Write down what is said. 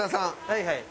はいはい。